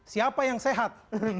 siapa yang sehat